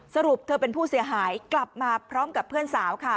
สรุปเธอเป็นผู้เสียหายกลับมาพร้อมกับเพื่อนสาวค่ะ